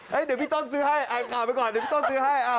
เดี๋ยวพี่ต้นซื้อให้อ่านข่าวไปก่อนเดี๋ยวพี่ต้นซื้อให้